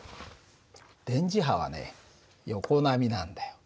電磁波はね横波なんだよ。